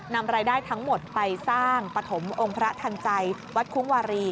นำรายได้ทั้งหมดไปสร้างปฐมองค์พระทันใจวัดคุ้งวารี